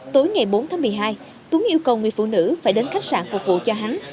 tối ngày bốn tháng một mươi hai tuấn yêu cầu người phụ nữ phải đến khách sạn phục vụ cho hắn